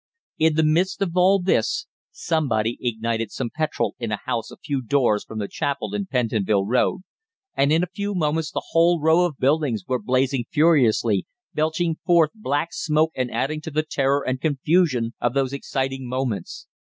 In the midst of all this somebody ignited some petrol in a house a few doors from the chapel in Pentonville Road, and in a few moments the whole row of buildings were blazing furiously, belching forth black smoke and adding to the terror and confusion of those exciting moments.